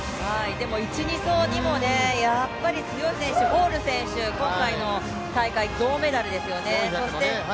１、２走にも強い選手、ホール選手、今回の大会、銅メダルですよね。